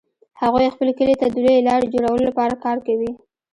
هغوی خپل کلي ته د لویې لارې جوړولو لپاره کار کوي